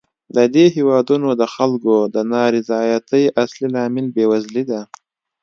د دې هېوادونو د خلکو د نا رضایتۍ اصلي لامل بېوزلي ده.